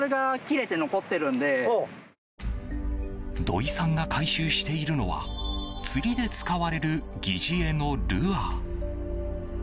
土井さんが回収しているのは釣りで使われる疑似餌のルアー。